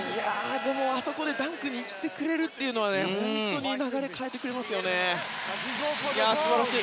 あそこでダンクに行ってくれるのは本当に流れを変えてくれます素晴らしい。